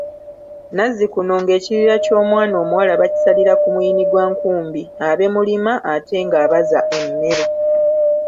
Nazzikuno ng'ekirira ky'omwana omuwala bakisalira ku muyini gwa nkumbi abe mulima ate ng'abaza emmere.